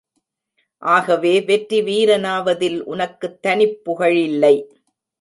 ஆகவே வெற்றி வீரனாவதில் உனக்குத் தனிப் புகழில்லை.